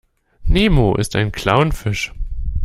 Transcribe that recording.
Nemo ist ein Clownfisch.